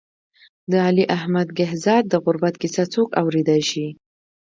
د علي احمد کهزاد د غربت کیسه څوک اورېدای شي.